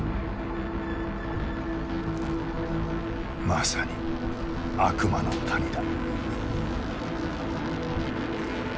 まさに悪魔の谷だ。